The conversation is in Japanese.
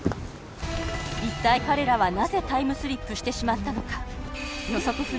一体彼らはなぜタイムスリップしてしまったのか？